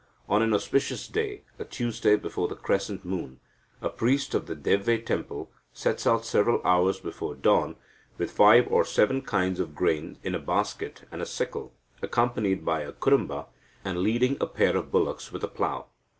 On an auspicious day a Tuesday before the crescent moon a priest of the Devve temple sets out several hours before dawn with five or seven kinds of grain in a basket and a sickle, accompanied by a Kurumba, and leading a pair of bullocks with a plough.